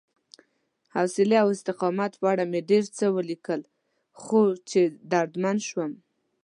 حوصلې او استقامت په اړه مې ډېر څه ولیکل، خو چې دردمن شوم